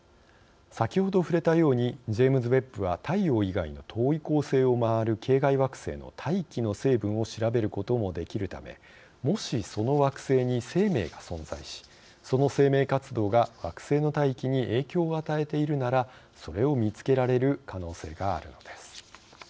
先ほど触れたようにジェームズ・ウェッブは太陽以外の遠い恒星を回る系外惑星の大気の成分を調べることもできるためもし、その惑星に生命が存在しその生命活動が惑星の大気に影響を与えているならそれを見つけられる可能性があるのです。